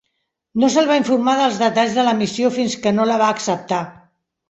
No se"l va informar dels detalls de la missió fins que no la va acceptar.